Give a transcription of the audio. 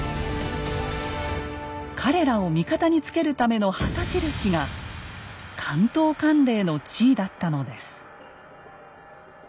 彼らを味方につけるための旗印が関東管領の地位だったのです。